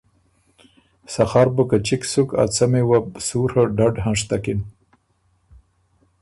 سخر بُو که چِګ سُک ا څمي وه بو سُوڒه ډډ هںشتکِن۔